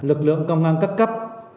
lực lượng công an cấp cấp